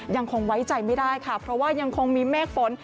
ยังคงไว้ใจไม่ได้ค่ะเพราะว่ายังคงมีเมฆฝน